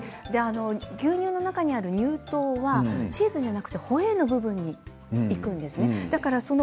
牛乳の中の乳糖はチーズではなくホエーの部分にいくんです。